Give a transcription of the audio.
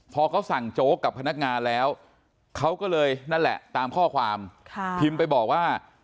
พอเขาสั่งโจ๊กกับพนักงานแล้วเขาก็เลยนั่นแหละตามข้อความพิมพ์ไปบอกว่า